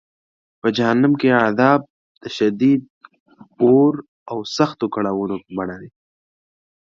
په جهنم کې عذاب د شدید اور او سختو کړاوونو په بڼه دی.